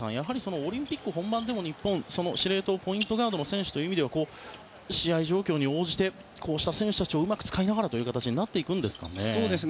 オリンピック本番でも、日本は司令塔、ポイントガードという意味では試合状況に応じてこうした選手たちをうまく使いながらという形になっていくんですかね。